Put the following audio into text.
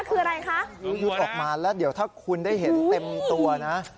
คืออะไรคะหลุดออกมาแล้วเดี๋ยวถ้าคุณได้เห็นเต็มตัวนะ